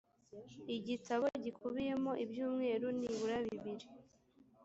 igitabo gikubiyemo ibyumweru nibura bibiri